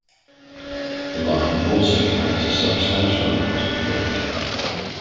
The line also carries a substantial amount of freight.